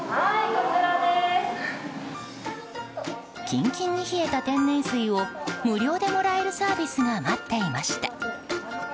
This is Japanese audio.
キンキンに冷えた天然水を無料でもらえるサービスが待っていました。